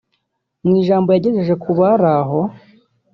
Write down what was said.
Mu ijambo yagejeje kubari aho